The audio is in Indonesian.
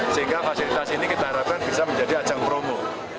sehingga fasilitas ini kita harapkan bisa menjadi ajang promo